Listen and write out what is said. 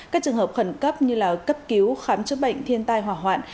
các trường hợp khẩn cấp như cấp cứu khám chữa bệnh thiên tai hỏa hoạn